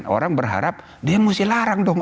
orang berharap dia mesti larang dong